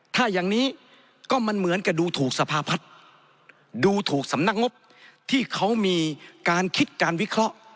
ถ้าอย่างนี้ก็มันเหมือนกับดูถูกสภาพัฒน์ดูถูกสำนักงบที่เขามีการคิดการวิเคราะห์